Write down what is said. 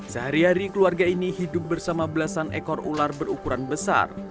sehari hari keluarga ini hidup bersama belasan ekor ular berukuran besar